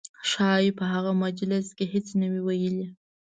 ښایي په هغه مجلس کې هېڅ نه وي ویلي.